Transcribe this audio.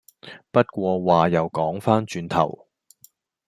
不過話又講番轉頭